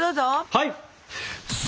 はい！